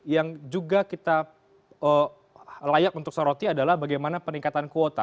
yang juga kita layak untuk soroti adalah bagaimana peningkatan kuota